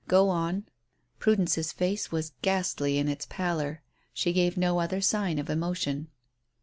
Go on." Prudence's face was ghastly in its pallor. She gave no other sign of emotion.